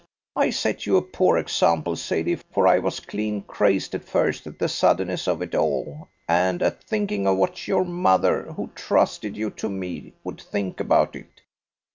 I set you a poor example, Sadie, for I was clean crazed at first at the suddenness of it all, and at thinking of what your mother, who trusted you to me, would think about it.